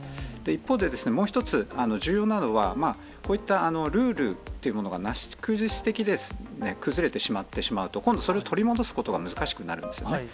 一方で、もう一つ、重要なのは、こういったルールっていうものがなし崩し的に崩れてしまってしまうと、今度、それ、取り戻すことが難しくなるんですよね。